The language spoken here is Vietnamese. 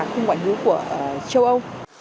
đảng khung quản lý của châu âu